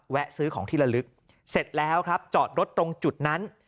ซื้อของที่ละลึกเสร็จแล้วครับจอดรถตรงจุดนั้น